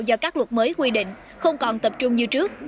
do các luật mới quy định không còn tập trung như trước